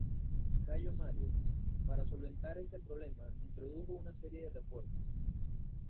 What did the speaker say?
Cayo Mario, para solventar este problema, introdujo una serie de reformas.